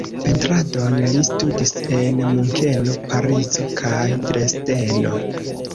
Pentradon li studis en Munkeno, Parizo kaj Dresdeno.